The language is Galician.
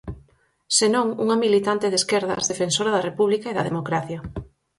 Senón unha militante de esquerdas, defensora da República e da democracia.